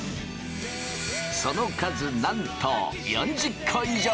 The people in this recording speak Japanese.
その数なんと４０個以上！